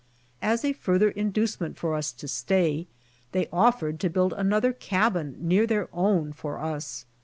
As a farther inducement for us to stay, they offered to build another »cabin near their own for us.